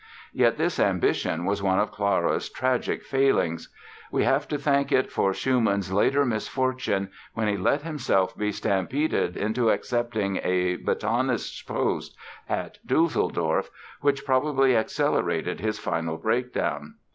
Yet this ambition was one of Clara's tragic failings. We have to thank it for Schumann's later misfortunes when he let himself be stampeded into accepting a batonist's post at Düsseldorf which probably accelerated his final breakdown.